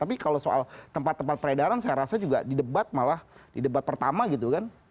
tapi kalau soal tempat tempat peredaran saya rasa juga di debat malah di debat pertama gitu kan